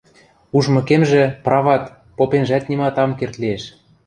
Ужмыкемжӹ, прават, попенжӓт нимат ам керд лиэш...